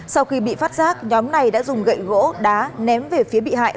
sau khi bị phát giác nhóm này đã dùng gậy gỗ đá ném về phía bị hại